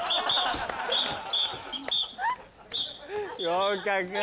合格。